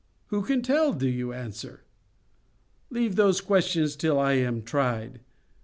—'Who can tell?' do you answer? 'Leave those questions till I am tried.